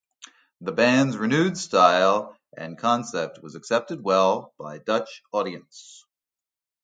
The band's renewed style and concept was accepted well by Dutch audience.